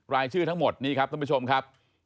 รายชื่อทั้งหมดนี้ครับท่านผู้ชมครับ